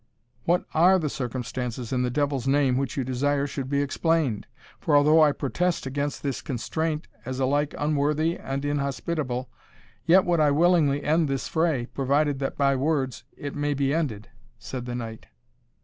"What are the circumstances, in the devil's name, which you desire should be explained? for although I protest against this constraint as alike unworthy and inhospitable, yet would I willingly end this fray, provided that by words it may be ended," said the knight.